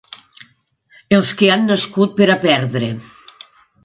Els que han nascut per a perdre.